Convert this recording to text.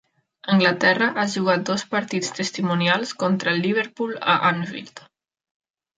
Anglaterra ha jugat dos partits testimonials contra el Liverpool a Anfield.